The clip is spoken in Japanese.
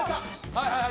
はいはいはい